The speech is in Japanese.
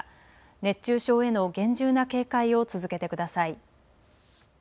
熱中症への厳重な警戒を続けてください。